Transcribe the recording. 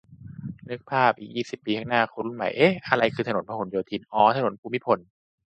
นึกภาพอีกยี่สิบปีข้างหน้า คนรุ่นใหม่งง เอ๊ะ อะไรคือถนนพหลโยธิน อ๋อออออ ถนนภูมิพล